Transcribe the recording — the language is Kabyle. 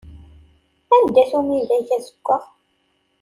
Anda-t umidag azeggaɣ?